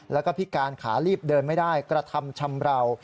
แล้วก็พิการขาลีบเดินไม่ได้กระทำชำราว